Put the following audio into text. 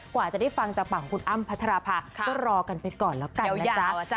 กว่าจะได้ฟังจากฝั่งของคุณอ้ำพัชราภาก็รอกันไปก่อนแล้วกันนะจ๊ะ